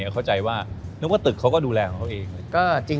เข้าใจว่านึกว่าตึกเขาก็ดูแลของเขาเองเลย